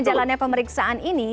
jalannya pemeriksaan ini